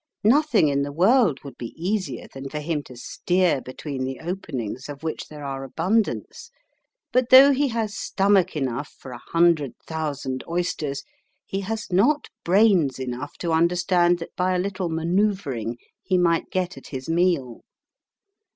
Nothing in the world would be easier than for him to steer between the openings, of which there are abundance. But though he has stomach enough for a hundred thousand oysters, he has not brains enough to understand that by a little manoeuvring he might get at his meal.